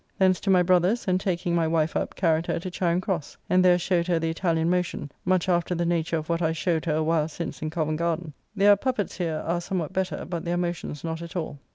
Thence to my brother's, and taking my wife up, carried her to Charing Cross, and there showed her the Italian motion, much after the nature of what I showed her a while since in Covent Garden. Their puppets here are somewhat better, but their motions not at all.